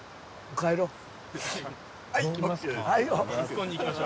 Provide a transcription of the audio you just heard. はい行きます。